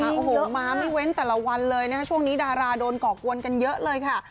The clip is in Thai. โอ้โหมาไม่เว้นแต่ละวันเลยนะคะช่วงนี้ดาราโดนก่อกวนกันเยอะเลยค่ะ